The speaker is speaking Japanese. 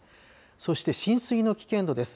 そして浸水の危険度です。